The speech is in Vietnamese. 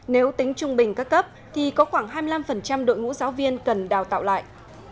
nếu tính trung bình các cấp thì có khoảng hai mươi năm đội ngũ giáo viên cần đào tạo lại